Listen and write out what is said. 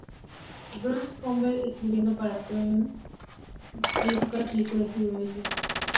Bosley Crowther escribiendo para "The New York Times" calificó la película de "estilo mediocre.